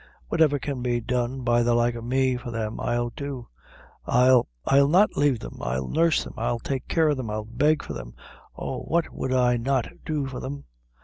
Whatever can be done by the like o' me for them, I'll do. I'll I'll not lave them I'll nurse them I'll take care of them I'll beg for them oh, what would I not do for them?"